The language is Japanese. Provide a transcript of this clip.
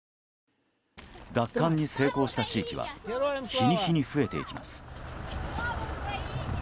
奪還に成功した地域は日に日に増えていきます。